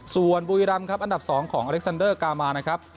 ส่วนบุรีรำครับอันดับ๒ของอเล็กซันเดอร์กามานะครับ